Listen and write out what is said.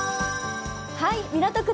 港区